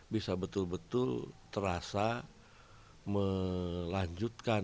bisa betul betul terasa melanjutkan